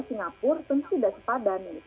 singapura pasti tidak sepadan